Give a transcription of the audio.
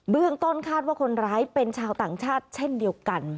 เรื่องต้นคาดว่าคนร้ายเป็นชาวต่างชาติเช่นเดียวกัน